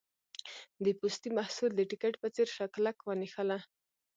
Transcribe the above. د پوستي محصول د ټیکټ په څېر شه کلک ونښله.